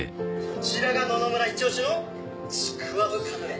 こちらが野々村いち押しのちくわぶカヌレ」